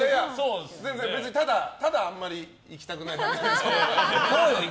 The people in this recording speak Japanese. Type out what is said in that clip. ただあんまり行きたくないだけです。